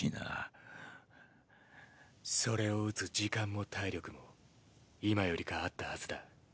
それを打つ時間も体力も今よりかあったはずだ。